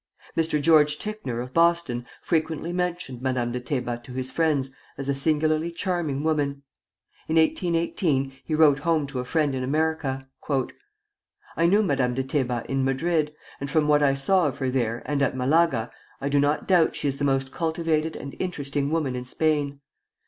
Mr. George Ticknor, of Boston, frequently mentioned Madame de Teba to his friends as a singularly charming woman. In 1818 he wrote home to a friend in America: "I knew Madame de Teba in Madrid, and from what I saw of her there and at Malaga, I do not doubt she is the most cultivated and interesting woman in Spain.